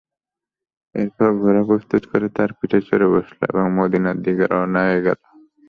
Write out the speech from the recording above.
এরপর ঘোড়া প্রস্তুত করে তার পিঠে চড়ে বসল এবং মদীনার দিকে রওনা হয়ে গেল।